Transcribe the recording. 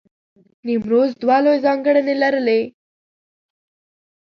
نیمروز دوه لوی ځانګړنې لرلې.